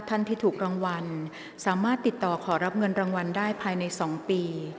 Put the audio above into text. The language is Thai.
ท่านที่ถูกรางวัลสามารถติดต่อขอรับเงินรางวัลได้ภายใน๒ปี